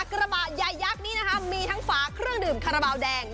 กระบะใหญ่ยักษ์นี้นะคะมีทั้งฝาเครื่องดื่มคาราบาลแดง